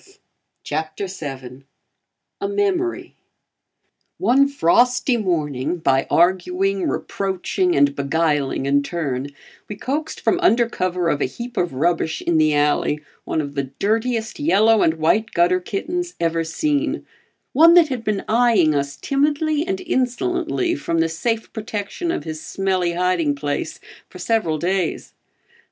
A MEMORY One frosty morning, by arguing, reproaching and beguiling in turn, we coaxed from under cover of a heap of rubbish in the alley, one of the dirtiest yellow and white gutter kittens ever seen; one that had been eyeing us timidly and insolently from the safe protection of his smelly hiding place for several days.